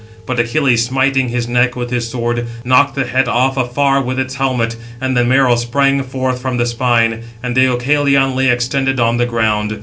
But he (Achilles) smiting his neck with his sword, knocked the head off afar with its helmet, and the marrow sprang forth from the spine; and Deucalion lay extended on the ground.